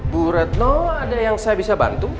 bu retno ada yang saya bisa bantu